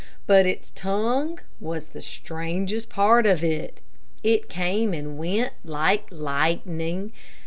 But its tongue was the strangest part of it. It came and went like lightning.